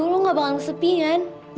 lu gak bakal ngesepi kan